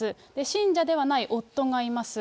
信者ではない夫がいます。